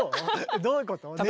どういうこと？